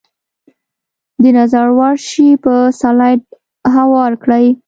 د نظر وړ شی په سلایډ هوار کړئ.